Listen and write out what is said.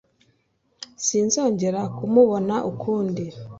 sinzongera kumubona ukundi